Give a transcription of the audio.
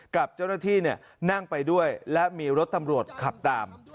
กับเจ้าหน้าที่นั่งไปด้วยและมีรถตำรวจขับตาม